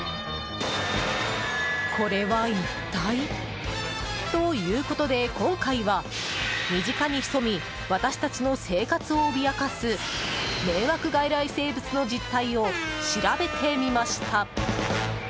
これは一体？ということで今回は、身近に潜み私たちの生活を脅かす迷惑外来生物の実態を調べてみました。